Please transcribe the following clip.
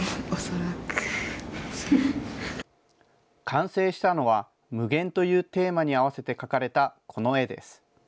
完成したのは、無限というテーマに合わせて描かれたこの絵です。